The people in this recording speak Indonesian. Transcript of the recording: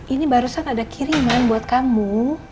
ini barusan ada kiriman buat kamu